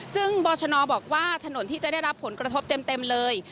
ซึ่งบอชนบอกว่าถนนที่จะได้รับผลกระทบเต็มเลย